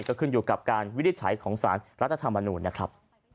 ก็ขึ้นอยู่กับการวินิจฉัยของสารรัฐธรรมนูญนะครับ